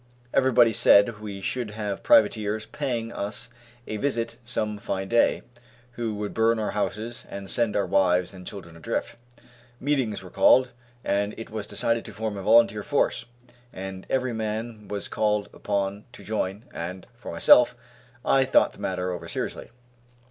Everybody said we should have privateers paying us a visit some fine day, who would burn our houses, and send our wives and children adrift. Meetings were called, and it was decided to form a volunteer force, and every man was called upon to join, and, for myself, I thought the matter over seriously.